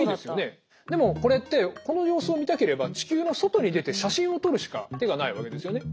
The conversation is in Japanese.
でもこれってこの様子を見たければ地球の外に出て写真を撮るしか手がないわけですよね。